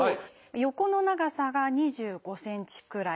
横の長さが２５ｃｍくらい。